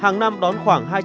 hàng năm đón khoảng